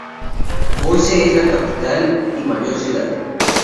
Boise es la capital y mayor ciudad.